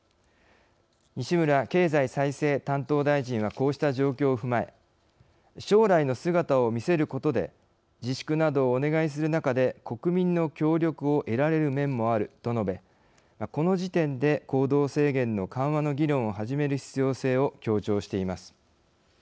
西村経済再生担当大臣はこうした状況を踏まえ「将来の姿を見せることで自粛などをお願いする中で国民の協力を得られる面もある」と述べ、この時点で行動制限の緩和の議論を始める必要性を強調しています。